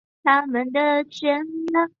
被证实将为该片提供故事。